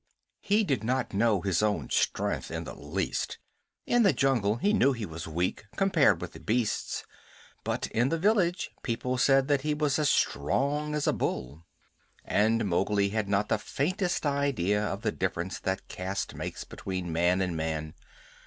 He did not know his own strength in the least. In the jungle he knew he was weak compared with the beasts, but in the village people said that he was as strong as a bull. And Mowgli had not the faintest idea of the difference that caste makes between man and man.